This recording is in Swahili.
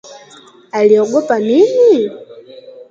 aliogopa nini?